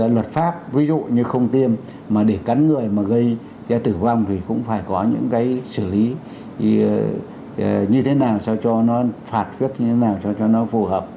luật pháp ví dụ như không tiêm mà để cắn người mà gây tử vong thì cũng phải có những cái xử lý như thế nào sao cho nó phạt trước như thế nào cho nó phù hợp